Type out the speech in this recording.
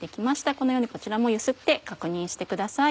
このようにこちらも揺すって確認してください。